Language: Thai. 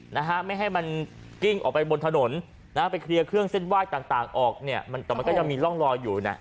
นะฮะไม่ให้มันกิ้งออกไปบนถนนนะฮะไปเคลียร์เครื่องเส้นไหว้ต่างต่างออกเนี่ยมันแต่มันก็ยังมีร่องรอยอยู่น่ะ